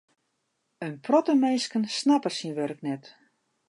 In protte minsken snappe syn wurk net.